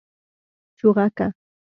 🐦 چوغکه